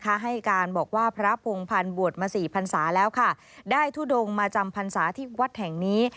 การให้การบอกว่าพระโพงพันธุ์บวชมาสี่พันธุ์ศาสตร์แล้วค่ะได้ทุดงมาจำพันธุ์ศาสตร์ที่วัดแห่งนี้